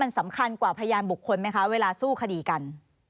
สำคัญกว่าพยานบุคคลไหมคะเวลาสู้คดีกัน